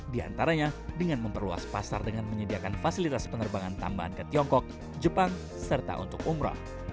di antaranya dengan memperluas pasar dengan menyediakan fasilitas penerbangan tambahan ke tiongkok jepang serta untuk umroh